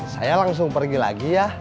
saya langsung pergi lagi ya